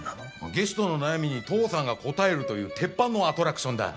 ゲストの悩みに父さんが答えるという鉄板のアトラクションだ。